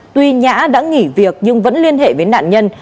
tuy nhã đã nghỉ việc nhưng vẫn liên hệ với nạn nhân